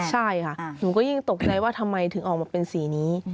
ใช่ค่ะหนูก็ยิ่งตกใจว่าทำไมถึงออกมาเป็นสีนี้